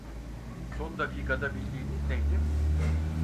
Son dakikada bildiğiniz neydi?